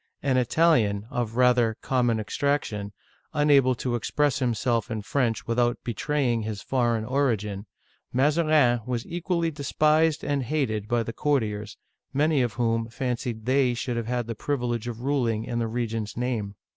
An Italian, of rather common extrac tion, unable to express himself in French without betraying his foreign origin, Mazarin was equally despised and hated by the courtiers, many of whom fancied they should have had the privilege of ruling in the regent's name.